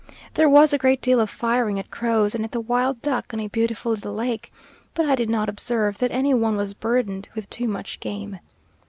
There was a great deal of firing at crows and at the wild duck on a beautiful little lake, but I did not observe that any one was burdened with too much game.